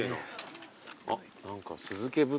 あっ何か。